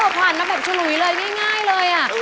โอ้ผ่านมาแบบฉลุยเลยง่ายเลยอ่ะ